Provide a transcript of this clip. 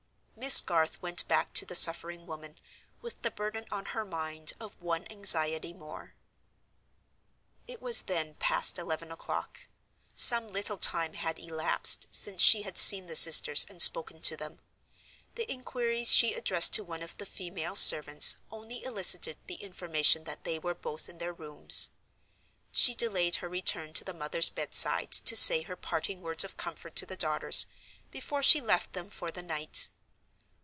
Miss Garth went back to the suffering woman, with the burden on her mind of one anxiety more. It was then past eleven o'clock. Some little time had elapsed since she had seen the sisters and spoken to them. The inquiries she addressed to one of the female servants only elicited the information that they were both in their rooms. She delayed her return to the mother's bedside to say her parting words of comfort to the daughters, before she left them for the night.